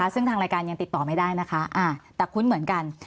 ซึ่งทางรายการยังติดต่อไม่ได้นะคะแต่คุ้นเหมือนกัน